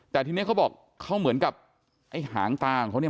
แต่ทีนี้เขาบอกเขาเหมือนกับไอ้หางตาของเขาเนี่ย